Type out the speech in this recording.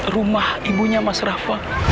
rumah ibunya mas raffa